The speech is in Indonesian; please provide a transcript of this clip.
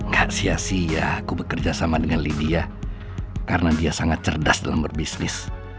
gak sia sia aku bekerja sama dengan lydia karena dia sangat cerdas dalam berbisnis